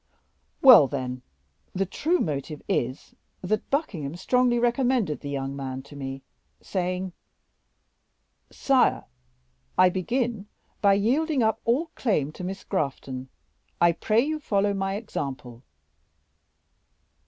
"Well, then, the true motive is that Buckingham strongly recommended the young man to me, saying: 'Sire, I begin by yielding up all claim to Miss Grafton; I pray you follow my example.